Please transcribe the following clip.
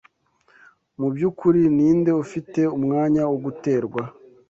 mu by’ukuri ni nde ufite umwanya wo guterwa